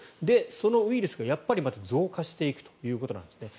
そのウイルスがまた増加していくということなんです。